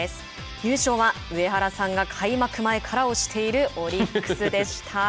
優勝は上原さんが開幕前から推しているオリックスでした。